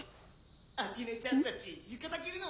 秋音ちゃんたち浴衣着るの？